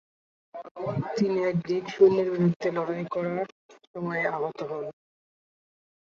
তিনি এক গ্রীক সৈন্যের বিরুদ্ধে লড়াই করার সময়ে আহত হন।